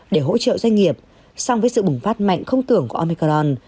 để hỗ trợ doanh nghiệp song với sự bùng phát mạnh không tưởng của omicron